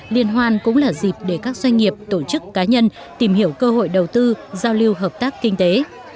liên hoan cũng là dịp để các doanh nghiệp tổ chức cá nhân tìm hiểu cơ hội đầu tư giao lưu hợp tác kinh tế